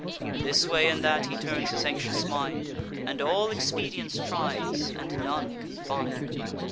This way and that he turns his anxious mind, And all expedients tries, and none can find.